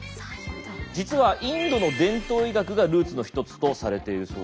実はインドの伝統医学がルーツの一つとされているそうなんです。